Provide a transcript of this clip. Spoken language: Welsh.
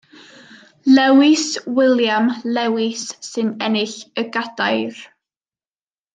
Lewis William Lewis sy'n ennill y gadair.